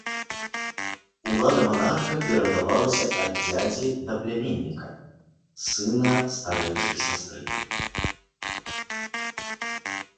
Улада манарха перадавалася ад дзядзі да пляменніка, сына старэйшай сястры.